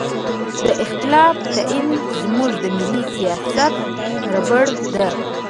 د اختلاف تعین زموږ د ملي سیاست ربړه ده.